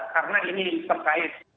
karena ini terkait